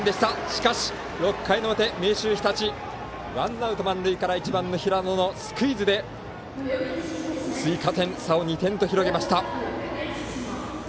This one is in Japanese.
しかし、６回の表、明秀日立ワンアウト満塁から１番の平野のスクイズで追加点、差を２点に広げました。